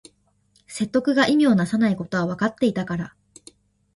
説得が意味をなさないことはわかっていたから